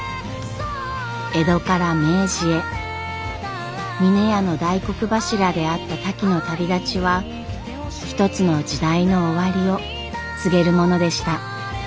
江戸から明治へ峰屋の大黒柱であったタキの旅立ちは一つの時代の終わりを告げるものでした。